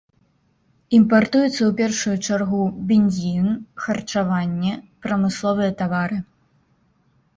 Імпартуецца ў першую чаргу, бензін, харчаванне, прамысловыя тавары.